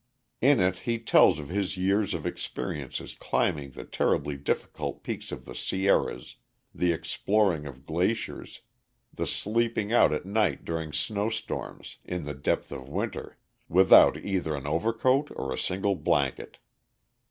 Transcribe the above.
In it he tells of his years of experiences climbing the terribly difficult peaks of the Sierras, the exploring of glaciers, the sleeping out at night during snow storms in the depth of winter without either an overcoat or a single blanket.